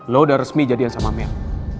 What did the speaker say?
lo udah resmi jadian sama mel